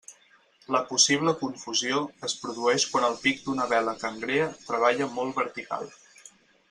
La possible confusió es produeix quan el pic d'una vela cangrea treballa molt vertical.